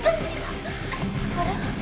あれ？